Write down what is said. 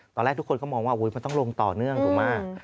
ตอนแรกทุกคนก็มองว่ามันต้องลงต่อเนื่องถูกมาก